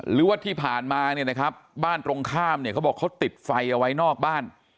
หรือว่าที่ผ่านมาเนี่ยนะครับบ้านตรงข้ามเนี่ยเขาบอกเขาติดไฟเอาไว้นอกบ้าน